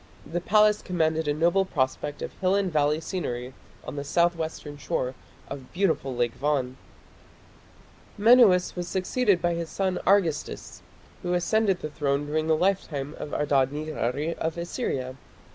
The palace commanded a noble prospect of hill and valley scenery on the south western shore of beautiful Lake Van. Menuas was succeeded by his son Argistis, who ascended the throne during the lifetime of Adad nirari of Assyria.